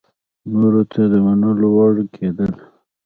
نورو ته د منلو وړ کېدل